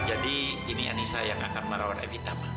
jadi ini anissa yang akan merawat evita mak